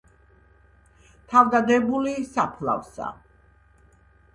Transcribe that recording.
თავდადებული საფლავსა